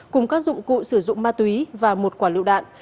cùng các dụng cụ sử dụng ma túy và một quả lựu đạn